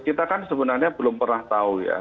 kita kan sebenarnya belum pernah tahu ya